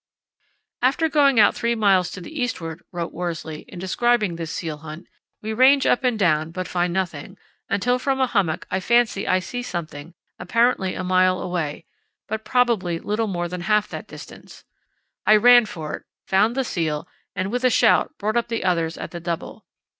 "After going out three miles to the eastward," wrote Worsley in describing this seal hunt, "we range up and down but find nothing, until from a hummock I fancy I see something apparently a mile away, but probably little more than half that distance. I ran for it, found the seal, and with a shout brought up the others at the double.